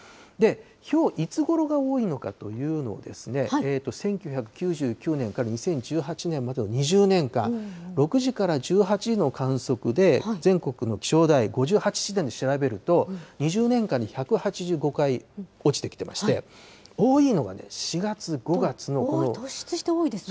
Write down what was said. ひょう、いつごろが多いのかというのを、１９９９年から２０１８年までの２０年間、６時から１８時の観測で、全国の気象台５８地点で調べると、２０年間で１８５回落ちてきていまして、多いのが突出して多いですね。